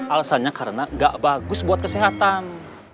alasannya karena gak bagus buat kesehatan